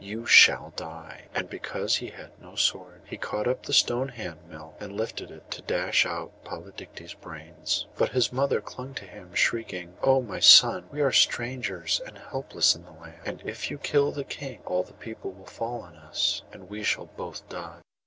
You shall die!' And because he had no sword he caught up the stone hand mill, and lifted it to dash out Polydectes' brains. But his mother clung to him, shrieking, 'Oh, my son, we are strangers and helpless in the land; and if you kill the king, all the people will fall on us, and we shall both die.